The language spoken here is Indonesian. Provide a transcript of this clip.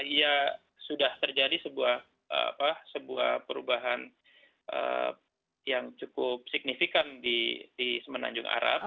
ya sudah terjadi sebuah perubahan yang cukup signifikan di semenanjung arab